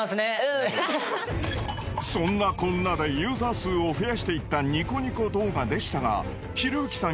そんなこんなでユーザー数を増やしていったニコニコ動画でしたがひろゆきさん